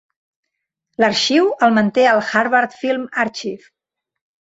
L'arxiu el manté el Harvard Film Archive.